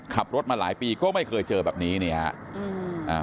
ขับรถมาหลายปีก็ไม่เคยเจอแบบนี้นี่ครับ